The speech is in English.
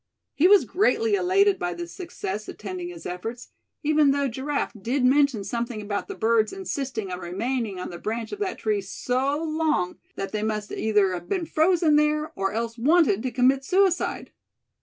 He was greatly elated by the success attending his efforts, even though Giraffe did mention something about the birds insisting on remaining on the branch of that tree so long that they must either have been frozen there, or else wanted to commit suicide.